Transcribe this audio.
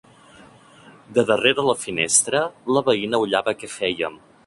De darrere la finestra, la veïna ullava què fèiem.